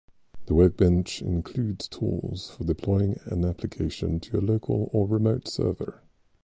The workbench includes tools for deploying an application to a local or remote server.